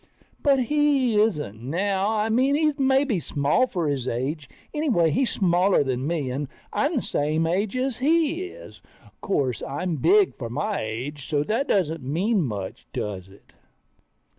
But he isn't now, I mean he's maybe small for his age, anyway he's smaller than me, and I'm the same age as he is. 'Course, I'm big for my age, so that doesn't mean much, does it?